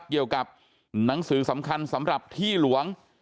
เกี่ยวกับหนังสือสำคัญสำหรับที่หลวง